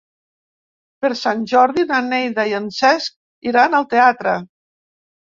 Per Sant Jordi na Neida i en Cesc iran al teatre.